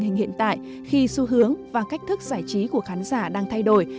cần thiết trước tình hình hiện tại khi xu hướng và cách thức giải trí của khán giả đang thay đổi